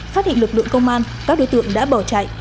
phát hiện lực lượng công an các đối tượng đã bỏ chạy